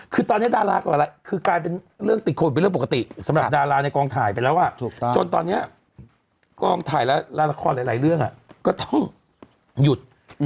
คือตอนนี้ดาราก็คือกลายเป็นเรื่องติดโควิดเป็นเรื่องปกติสำหรับดาราในกองถ่ายไปแล้วจนตอนนี้กองถ่ายละครหลายเรื่องก็ต้องหยุด